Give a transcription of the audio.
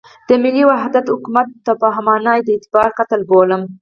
د ملي وحدت حکومت تفاهمنامه د اعتبار قتل بولم.